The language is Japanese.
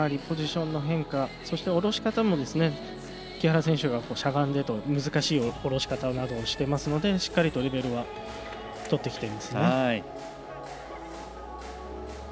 ポジションの変化そして降ろし方も木原選手がしゃがんでと、難しい降ろし方などをしていますのでしっかりとレベルをとっています。